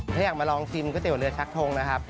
ถ้าอยากมาลองชิมก๋วเตี๋เรือชักทงนะครับ